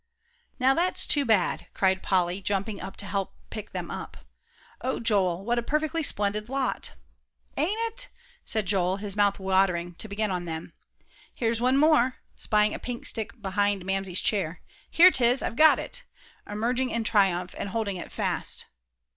"Now, that's too bad," cried Polly, jumping up to help pick them up. "Oh, Joel, what a perfectly splendid lot!" "Ain't it!" said Joel, his mouth watering to begin on them. "Here's one more," spying a pink stick behind Mamsie's chair. "Here 'tis. I've got it!" emerging in triumph, and holding it fast.